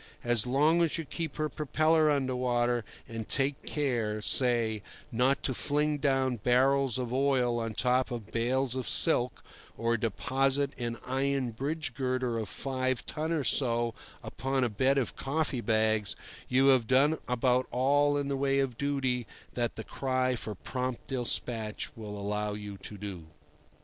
As long as you keep her propeller under water and take care, say, not to fling down barrels of oil on top of bales of silk, or deposit an iron bridge girder of five ton or so upon a bed of coffee bags, you have done about all in the way of duty that the cry for prompt despatch will allow you to do.